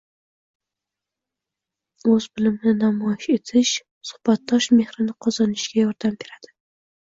O‘z bilimini namoyish etish suhbatdosh mehrini qozonishga yordam beradi.